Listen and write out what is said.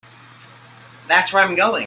That's where I'm going.